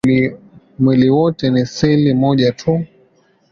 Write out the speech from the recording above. Mwili wote ni seli moja tu.